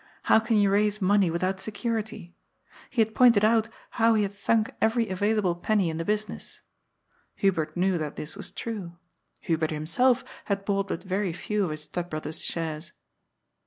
How can you raise money without security? He had pointed out how he had sunk every available penny in the business. Hubert knew that this was true. Hubert himself had bought but very few of his step brother's shares.